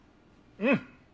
うん！